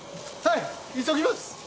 はい急ぎます。